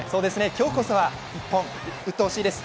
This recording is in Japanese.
今日こそは１本打ってほしいです。